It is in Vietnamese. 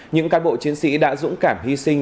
những cán bộ chiến sĩ đã dũng cảm hy sinh